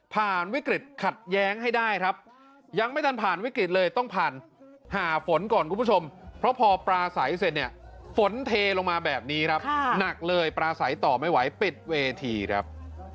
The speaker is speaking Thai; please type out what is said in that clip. ปลาสัยต่อไม่ไหวปิดเวทีครับ